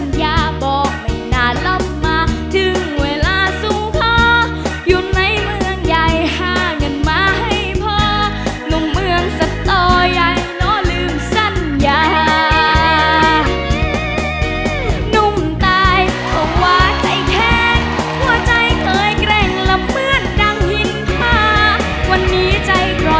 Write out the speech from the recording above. โอ้โหโอ้โหโอ้โหโอ้โหโอ้โหโอ้โหโอ้โหโอ้โหโอ้โหโอ้โหโอ้โหโอ้โหโอ้โหโอ้โหโอ้โหโอ้โหโอ้โหโอ้โหโอ้โหโอ้โหโอ้โหโอ้โหโอ้โหโอ้โหโอ้โหโอ้โหโอ้โหโอ้โหโอ้โหโอ้โหโอ้โหโอ้โหโอ้โหโอ้โหโอ้โหโอ้โหโอ้โห